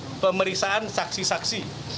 yang keempat dari pemeriksaan saksi saksi